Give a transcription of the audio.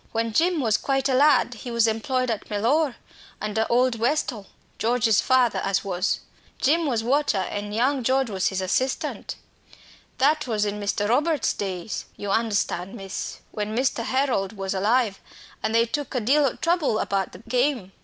When Jim was quite a lad he was employed at Mellor, under old Westall, George's father as was. Jim was 'watcher,' and young George he was assistant. That was in Mr. Robert's days, you understand, miss when Master Harold was alive; and they took a deal o' trouble about the game.